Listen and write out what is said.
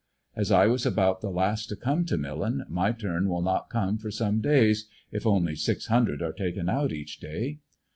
As I was about the last to come to Millen, my turn will not come for some days if only six hundred are taken out each day.